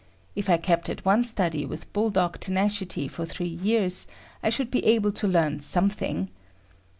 If I kept at one study with bull dog tenacity for three years, I should be able to learn something.